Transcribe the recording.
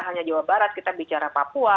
hanya jawa barat kita bicara papua